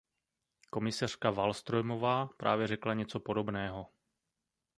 Komisařka Wallströmová právě řekla něco podobného.